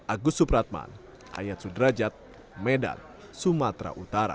agus supratman ayat sudrajat medan sumatera utara